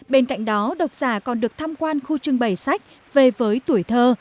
bên cạnh đó đọc giả còn được tham quan khu trưng bày sách về với tuổi thơ